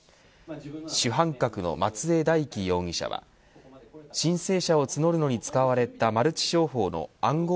主犯格の松江大樹容疑者は申請者を募る用に使われたマルチ商法の暗号